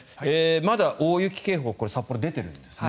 まだ大雪警報札幌は出ているんですね。